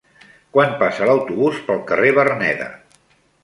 Quan passa l'autobús pel carrer Verneda?